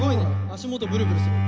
足元ブルブルする。